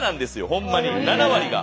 ほんまに７割が。